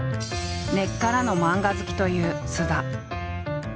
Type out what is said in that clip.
根っからの漫画好きという菅田。